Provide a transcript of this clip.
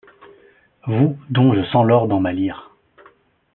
Vous dont je sens l’or dans ma lyre